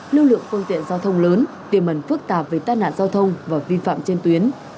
lưu lượng phương tiện giao thông lớn tiềm mẩn phức tạp về tai nạn giao thông và vi phạm trên tuyến